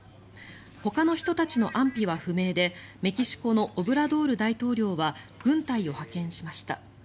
ほかの人たちの安否は不明でメキシコのオブラドール大統領は軍隊を派遣しました。